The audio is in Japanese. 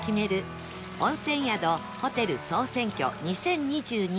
温泉宿・ホテル総選挙２０２２